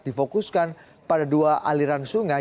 difokuskan pada dua aliran sungai